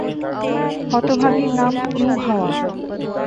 হতভাগীর নাম ইউহাওয়া।